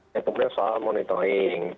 dan kemudian soal monitoring